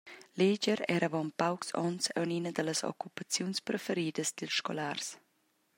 Leger era avon paucs onns aunc ina dallas occupaziuns preferidas dils scolars.